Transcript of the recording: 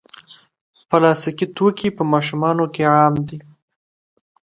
پلاستيکي توکي په ماشومانو کې عام دي.